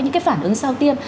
những phản ứng sau tiêm